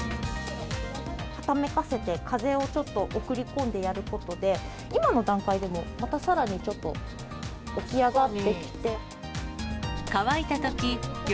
はためかせて、風をちょっと送り込んでやることで、今の段階でも、またさらにちょっと起き上がってきて。